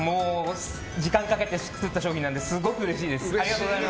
時間をかけて作った商品なのですごくうれしいです。